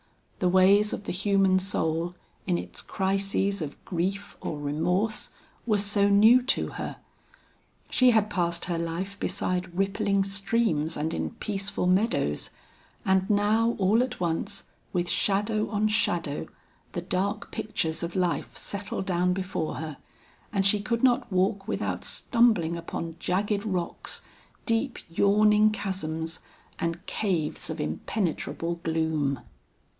The ways of the human soul, in its crises of grief or remorse were so new to her. She had passed her life beside rippling streams and in peaceful meadows, and now all at once, with shadow on shadow, the dark pictures of life settled down before her, and she could not walk without stumbling upon jagged rocks, deep yawning chasms and caves of impenetrable gloom.